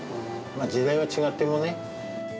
時代は違ってもね。